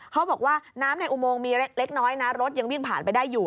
เขาบอกว่าน้ำในอุโมงมีเล็กน้อยนะรถยังวิ่งผ่านไปได้อยู่